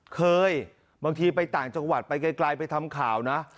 เคยบางทีไปต่างจังหวัดไปไกลไปทำข่าวนะ